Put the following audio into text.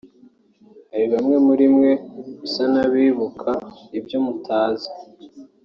Hari bamwe muri mwe musa n’abibuka ibyo mutazi